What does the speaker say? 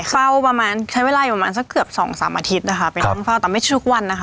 เฝ้าประมาณใช้เวลาอยู่ประมาณสักเกือบสองสามอาทิตย์นะคะไปนั่งเฝ้าแต่ไม่ทุกวันนะคะ